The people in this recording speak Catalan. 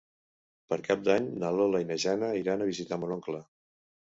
Per Cap d'Any na Lola i na Jana iran a visitar mon oncle.